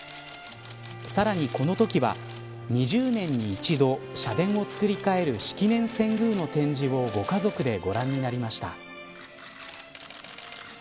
さらにこのときは２０年に一度、社殿を造り替える式年遷宮の展示をご家族でご覧になりました。